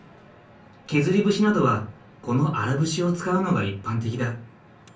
削り節などはこの荒節を使うのが一般的だ。